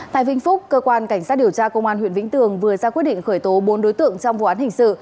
tại vĩnh phúc cơ quan cảnh sát điều tra công an huyện vĩnh tường vừa ra quyết định khởi tố bốn đối tượng trong vụ án hình sự